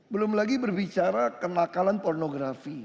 belum lagi berbicara kenakalan pornografi